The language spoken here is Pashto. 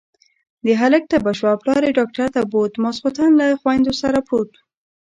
د هلک تبه شوه، پلار يې ډاکټر ته بوت، ماسختن له خويندو سره پرېووت.